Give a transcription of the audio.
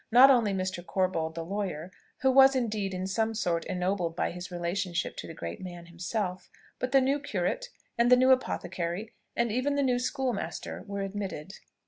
Not only Mr. Corbold, the lawyer, who was indeed in some sort ennobled by his relationship to the great man himself, but the new curate, and the new apothecary, and even the new schoolmaster, were admitted.